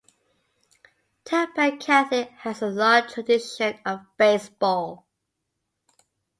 Tampa Catholic has a long tradition of baseball.